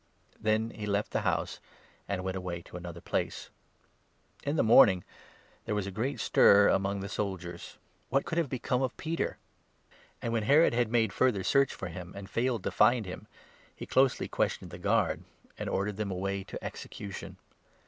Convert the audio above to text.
Then he left the house, and went away to another place. In 18 the morning there was a great stir among the soldiers — what could have become of Peter ! And, when Herod had 19 made further search for him and failed to find him, he closely questioned the Guard, and ordered them away to execution.